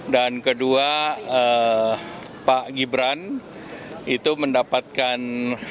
dan kedua pak gibran itu mendapatkan